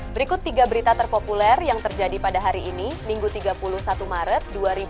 berikut tiga berita terpopuler yang terjadi pada hari ini minggu tiga puluh satu maret dua ribu dua puluh